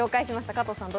加藤さん。